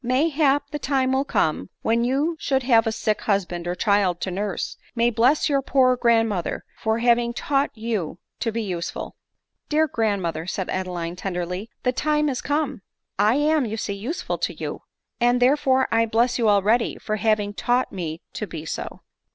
mayhap the time will come, when you, should you have a sick husband or child to nurse, may bless your poor grandmother for having taught you to be useful." "Dear grandmother," said Adeline tenderly, "the time is come ; I am, you see, useful to you ; and, there fere, I bless you already for having taught me to be so."